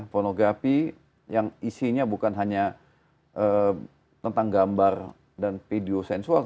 pornografi yang isinya bukan hanya tentang gambar dan video sensual